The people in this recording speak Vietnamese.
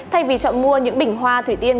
thay vì chọn mua những bình hoa thủy tiên